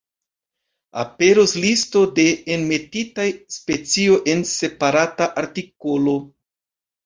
Aperos listo de enmetitaj specioj en separata artikolo.